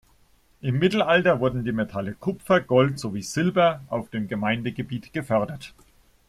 Im Mittelalter wurden die Metalle Kupfer, Gold sowie Silber auf dem Gemeindegebiet gefördert.